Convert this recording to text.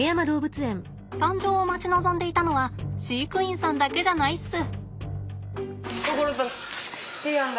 誕生を待ち望んでいたのは飼育員さんだけじゃないっす。